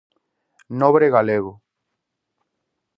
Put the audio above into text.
Nobre galego.